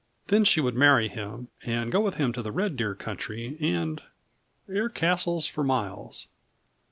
Then she would marry him, and go with him to the Red Deer country and air castles for miles!